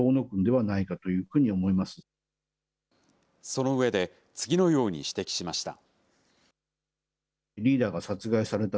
その上で、次のように指摘しました。